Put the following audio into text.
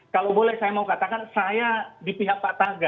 kalau boleh saya mau katakan saya di pihak pak taga